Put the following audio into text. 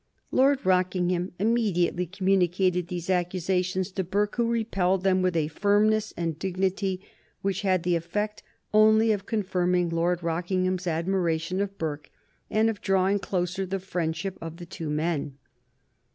Lord Rockingham immediately communicated these accusations to Burke, who repelled them with a firmness and dignity which had the effect only of confirming Lord Rockingham's admiration of Burke and of drawing closer the friendship of the two men.